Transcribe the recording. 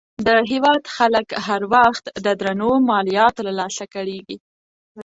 د هېواد خلک هر وخت د درنو مالیاتو له لاسه کړېږي.